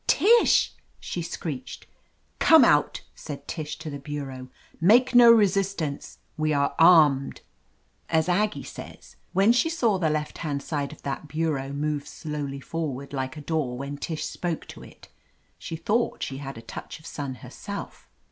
"Tish !" she screeched. "Come out!" said Tish to the bureau. "Make no resistance ; we are armed !" As Aggie says, when she saw the left hand side of that bureau move slowly forward like a door when Tish spoke to it, she thought she had a touch of sun herself.